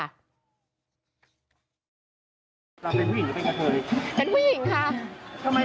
เราเป็นผู้หญิงหรือเป็นกะเทย